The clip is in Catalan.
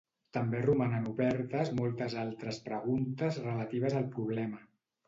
També romanen obertes moltes altres preguntes relatives al problema.